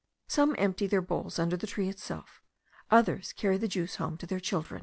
Some empty their bowls under the tree itself; others carry the juice home to their children.